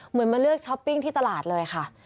มาเลือกช้อปปิ้งที่ตลาดเลยค่ะ